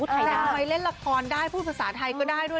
แต่ทำไมเล่นละครได้พูดภาษาไทยก็ได้ด้วย